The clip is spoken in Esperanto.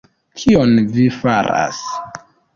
Kion vi faras?